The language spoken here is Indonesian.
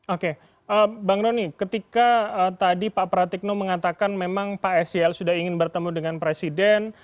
oke bang rony ketika tadi pak pratikno mengatakan memang pak sel sudah ingin bertemu dengan presiden